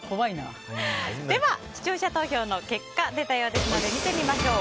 では、視聴者投票の結果出たようですので見てみましょう。